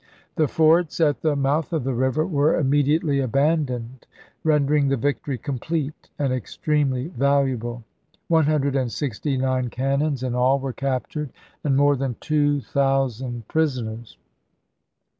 The forts at the mouth of the river were immedi ately abandoned, rendering the victory complete and extremely valuable. One hundred and sixty nine cannon in all were captured, and more than 68 ABRAHAM LINCOLN chap. in. two thousand prisoners.